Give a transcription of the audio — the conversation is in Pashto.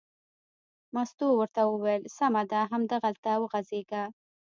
مستو ورته وویل: سمه ده همدلته وغځېږه.